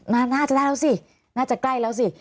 น่าจะได้แล้วสิน่าจะใกล้แล้วสิ